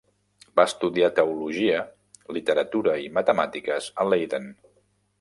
Va estudiar teologia, literatura i matemàtiques a Leiden.